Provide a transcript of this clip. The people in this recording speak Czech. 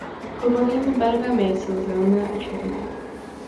Klubovými barvami jsou zelená a černá.